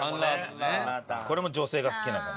これも女性が好きな感じ。